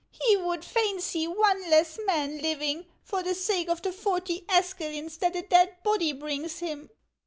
"He would fain see one less man living, for the sake of the forty escalins that a dead body brings him."